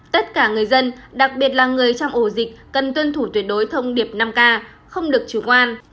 tất cả người dân đặc biệt là người trong ổ dịch cần tuân thủ tuyệt đối thông điệp năm k không được chủ quan